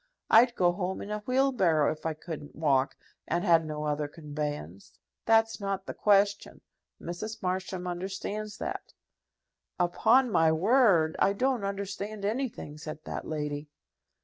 I'd go home in a wheelbarrow if I couldn't walk, and had no other conveyance. That's not the question. Mrs. Marsham understands that." "Upon my word, I don't understand anything," said that lady.